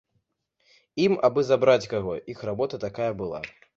Ім абы забраць каго, іх работа такая была.